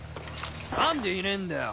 何でいねえんだよ！